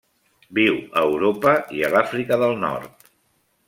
Viu a Europa i a l'Àfrica del Nord.